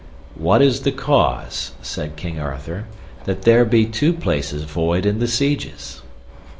What is the cause, said King Arthur, that there be two places void in the sieges?